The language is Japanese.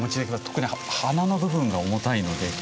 特に花の部分が重たいので。